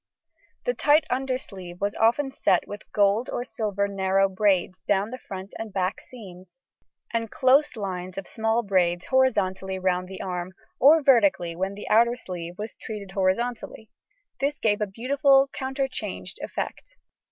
The tight undersleeve was often set with gold or silver narrow braids down the front and back seams, and close lines of small braids horizontally round the arm, or vertically when the outer sleeve was treated horizontally, this gave a beautiful counterchanged effect.